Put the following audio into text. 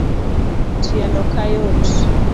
Tielo kayot